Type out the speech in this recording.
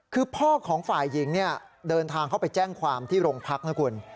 คือพ่อของฝ่ายหญิงเนี่ยเดินทางเข้าไปแจ้งความที่โรงพักนะคุณ